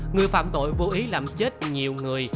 người phạm tội vô ý làm chết nhiều người